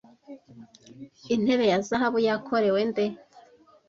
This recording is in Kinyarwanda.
Intebe ya zahabu yakorewe nde